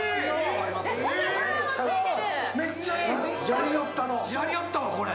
やりよったわ、これ。